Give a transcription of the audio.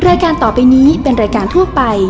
รายการต่อไปนี้เป็นรายการทั่วไป